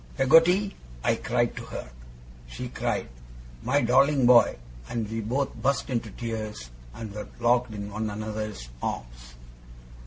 'Peggotty!' I cried to her. She cried, 'My darling boy!' and we both burst into tears, and were locked in one another's arms.